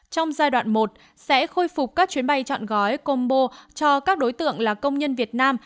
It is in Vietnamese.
trong giai đoạn một sẽ khôi phục các chuyến bay chọn gói combo cho các đối tượng là công nhân việt nam